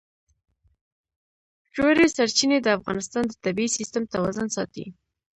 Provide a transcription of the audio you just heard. ژورې سرچینې د افغانستان د طبعي سیسټم توازن ساتي.